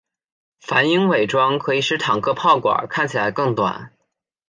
反影伪装可以使坦克炮管看起来更短。